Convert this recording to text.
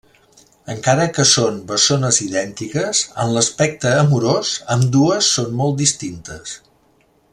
Encara que són bessones idèntiques, en l'aspecte amorós ambdues són molt distintes.